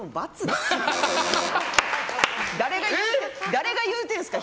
誰が言うてるんですか。